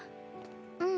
うん。